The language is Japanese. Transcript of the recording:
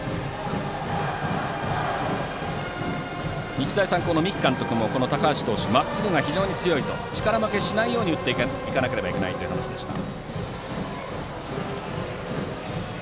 日大三高の三木監督もこの高橋投手はまっすぐが非常に強いので力負けしないように打っていかなければいけないという話でした。